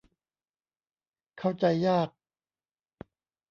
เข้าใจยาก